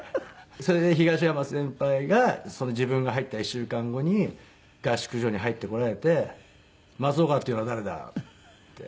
それで東山先輩が自分が入った１週間後に合宿所に入ってこられて「松岡っていうのは誰だ？」って言われて。